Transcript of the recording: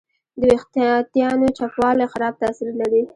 د وېښتیانو چپوالی خراب تاثیر لري.